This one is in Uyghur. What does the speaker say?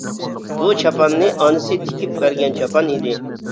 بۇ چاپاننى ئانىسى تىكىپ بەرگەن چاپان ئىدى.